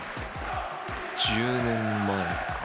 １０年前か